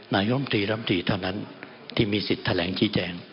นายมตรีรำตรีเท่านั้นที่มีสิทธิ์แถลงชี้แจง